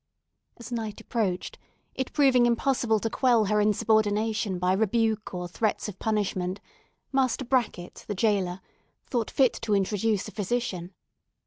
As night approached, it proving impossible to quell her insubordination by rebuke or threats of punishment, Master Brackett, the jailer, thought fit to introduce a physician.